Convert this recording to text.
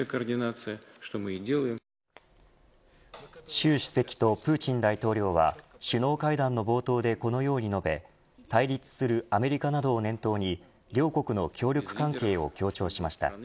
習主席とプーチン大統領は首脳会談の冒頭でこのように述べ対立するアメリカなどを念頭に両国の協力関係を強調しました。